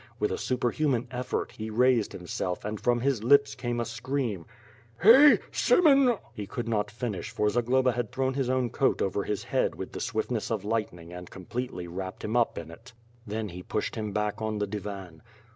With a superhuman effort, he raced him self and from his lips came a scream: ''lley! Semen—" He could not finish for Zagloba had thrown his own coat over his lioad with the swiftness of lightning and completely wrai)ped him up in it. Then he pushed him back on the divan.